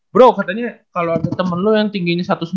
bro katanya kalau ada temen lu yang tinggi satu ratus sembilan puluh